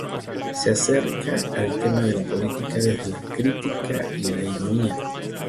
Se acerca al tema de la política desde la crítica y la ironía.